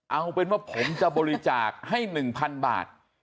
เอาเป็นว่าผมจะบริจาคให้๑๐๐๐บาท